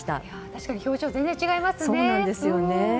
確かに表情全然違いますよね。